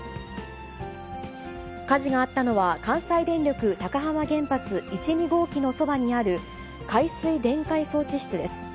火事があったのは、関西電力高浜原発１、２号機のそばにある、海水電解装置室です。